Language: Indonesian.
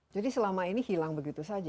jadi selama ini hilang begitu saja